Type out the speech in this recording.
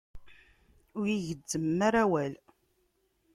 Ur yi-gezzmem ara awal.